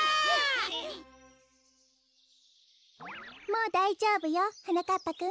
もうだいじょうぶよはなかっぱくん。